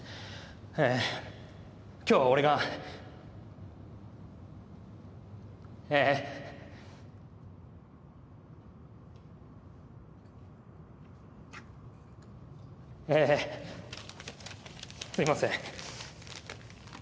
ええ今日は俺がええええすいません